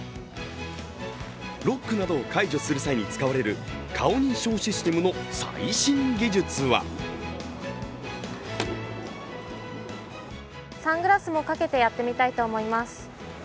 ロックなどを解除する際に使われる顔認証システムの最新技術はサングラスもかけてやってみたいと思います。